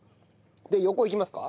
で横いきますか。